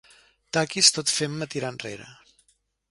Taquis tot fent-me tirar enrere.